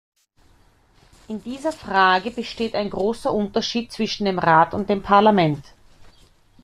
In dieser Frage besteht ein großer Unterschied zwischen dem Rat und dem Parlament.